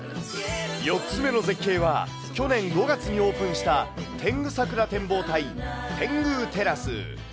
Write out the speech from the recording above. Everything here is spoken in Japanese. ４つ目の絶景は、去年５月にオープンした、天狗桜展望台テングーテラス。